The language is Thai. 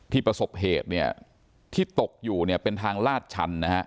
ที่ประสบเหตุที่ตกอยู่เป็นทางลาดชัน